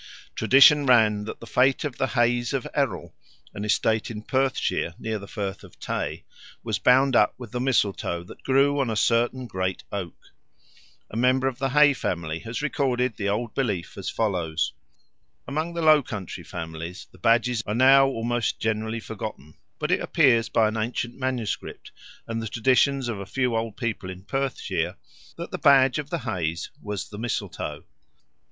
Tradition ran that the fate of the Hays of Errol, an estate in Perthshire, near the Firth of Tay, was bound up with the mistletoe that grew on a certain great oak. A member of the Hay family has recorded the old belief as follows: "Among the low country families the badges are now almost generally forgotten; but it appears by an ancient MS., and the tradition of a few old people in Perthshire, that the badge of the Hays was the mistletoe.